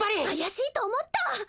怪しいと思った！